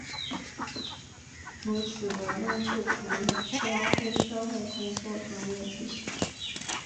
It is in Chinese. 如此的论述恐有消费社会工作专业之嫌。